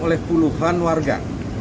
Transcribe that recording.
oleh puluhan warga